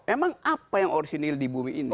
memang apa yang orisinil di bumi ini